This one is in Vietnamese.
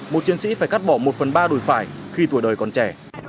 một chiến sĩ phải cắt bỏ một phần ba đùi phải khi tuổi đời còn trẻ